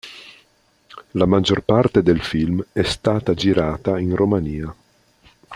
La maggior parte del film è stata girata in Romania.